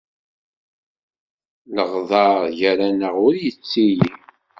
Leɣder gar-aneɣ ur yettili.